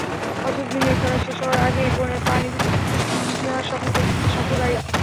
অথচ দিনের খেলা শেষ হওয়ার আগের পানিবিরতিতেও লিড নেওয়ার স্বপ্ন দেখেছে সফরকারীরা।